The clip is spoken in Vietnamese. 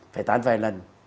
phải tán vài lần